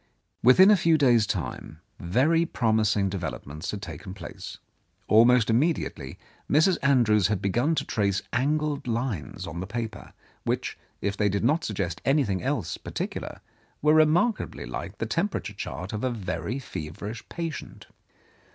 Within a few days' time very promising develop ments had taken place. Almost immediately Mrs. Andrews had begun to trace angled lines on the paper, which, if they did not suggest anything else particu lar, were remarkably like the temperature chart of a very feverish patient.